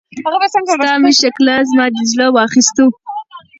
ستا مې ښکلا، زما دې زړه واخيستو